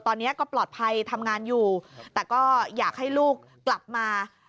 ตอนนี้ก็ปลอดภัยทำงานอยู่แต่ก็อยากให้ลูกกลับมา